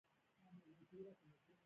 روسان به ما وژني او ژوندی به مې پرېنږدي